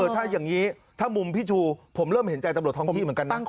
ถ้ามุ่มพี่ชูผมมีตำรวจท้องที่เหมาะกัน